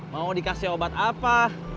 mau dikasih obat apa